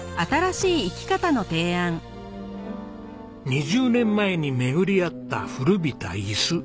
２０年前に巡り合った古びた椅子。